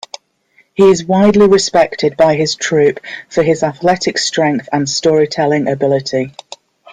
He is widely respected by his troop for his athletic strength and storytelling ability.